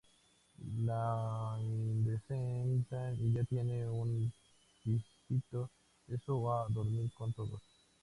lo adecentan y ya tienen un pisito. eso o a dormir con todos.